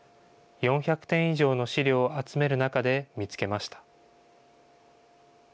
４００点以上の資料を集める中で見つけました。